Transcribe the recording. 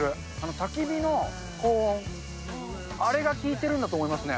たき火の高温、あれが利いてるんだと思いますね。